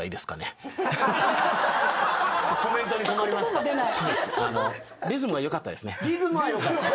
コメントに困りますか？